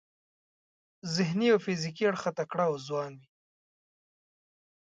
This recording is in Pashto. ذهني او فزیکي اړخه تکړه او ځوان وي.